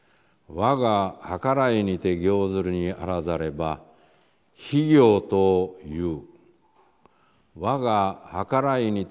わがはからいにてつくる善にもあらざれば非善という。